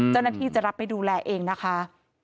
เจ้าหน้าที่จะรับไปดูแลเองนะคะ